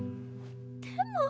でも。